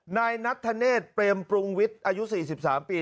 นายนัทธเนธเปรมปรุงวิทย์อายุ๔๓ปี